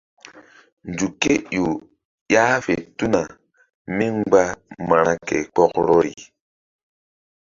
Nzuk ké ƴo ƴah fe tuna mí mgba ma̧ra ke kpɔkrɔri.